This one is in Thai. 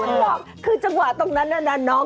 ไม่หรอกคือจังหวะตรงนั้นน่ะน้อง